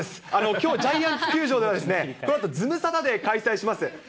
きょう、ジャイアンツ球場ではですね、このあとズムサタデー開催します。